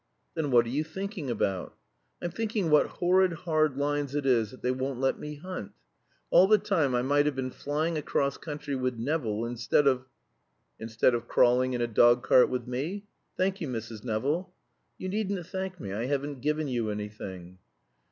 "Then what are you thinking about?" "I'm thinking what horrid hard lines it is that they won't let me hunt. All the time I might have been flying across country with Nevill, instead of " "Instead of crawling in a dog cart with me. Thank you, Mrs. Nevill." "You needn't thank me. I haven't given you anything."